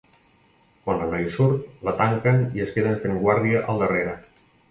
Quan la noia surt, la tanquen i es queden fent guàrdia al darrere.